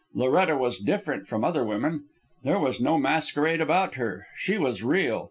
Loretta was different from other women. There was no masquerade about her. She was real.